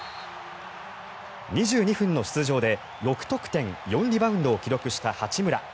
２２分の出場で６得点４リバウンドを記録した八村。